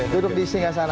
duduk di singgah sananya